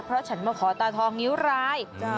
เพราะฉันมาขอตาทองนิ้วราย